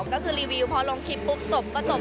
ก็คือรีวิวพอลงคลิปปุ๊บจบก็จบ